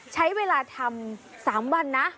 ใช้เวลาทำ๓วันนะ